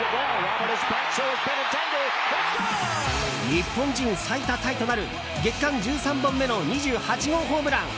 日本人最多タイとなる月間１３本目の２８号ホームラン。